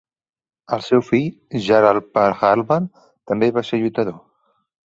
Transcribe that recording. El seu fill Jhara Pahalwan també va ser lluitador